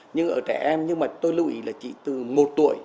nhưng ở trẻ em nhưng mà tôi lưu ý là chỉ từ một tuổi